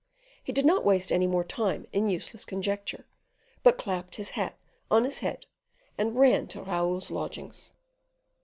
He did not waste any more time in useless conjecture, but clapped his hat on his head, and ran to Raoul's lodgings.